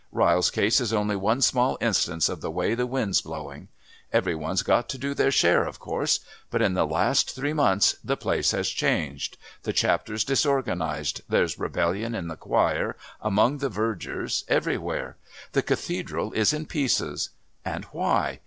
Ryle's case is only one small instance of the way the wind's blowing. Every one's got to do their share, of course. But in the last three months the place is changed the Chapter's disorganised, there's rebellion in the Choir, among the Vergers, everywhere. The Cathedral is in pieces. And why?